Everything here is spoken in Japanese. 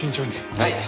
はい！